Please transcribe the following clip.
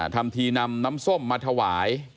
ทำทีนำน้ำส้มมาถวาย